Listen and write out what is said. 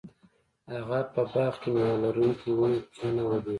هغه په باغ کې میوه لرونکې ونې کینولې.